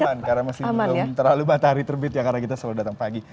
cuman karena masih belum terlalu matahari terbit ya karena kita selalu datang pagi